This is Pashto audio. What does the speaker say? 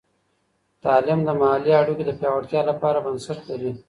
تعلیم د محلي اړیکو د پیاوړتیا لپاره بنسټ لري.